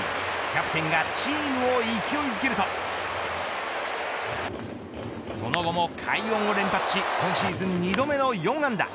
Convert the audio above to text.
キャプテンがチームを勢いづけるとその後も快音を連発し今シーズン２度目の４安打。